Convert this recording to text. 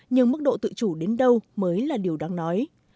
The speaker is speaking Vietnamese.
nhưng mức độ tự chủ đến đâu mới là điều đáng nói